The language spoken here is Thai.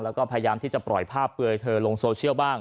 แล้วก็พยายามที่จะปล่อยภาพเปลือยเธอลงโซเชียลบ้าง